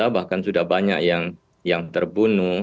bahkan sudah banyak yang terbunuh